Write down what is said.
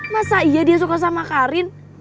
masa iya dia suka sama karin